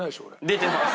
出てます